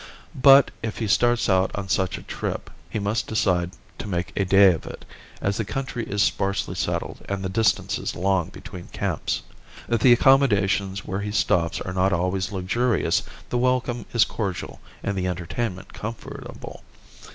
But, if he starts out on such a trip he must decide to make a day of it, as the country is sparsely settled and the distances long between camps. If the accommodations where he stops are not always luxurious the welcome is cordial and the entertainment comfortable.